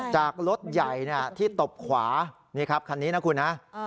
จากรถใหญ่ที่ตบขวานี่ครับคันนี้นะคุณฮะ